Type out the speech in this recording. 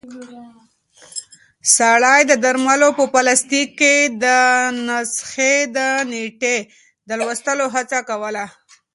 سړی د درملو په پلاستیک کې د نسخې د نیټې د لوستلو هڅه کوله.